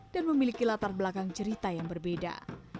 dan memiliki latar belakang cerita yang berbeda